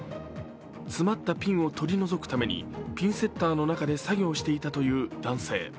詰まったピンを取り除くためにピンセッターの中で作業していたという男性。